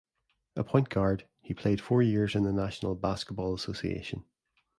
A point guard, he played four years in the National Basketball Association.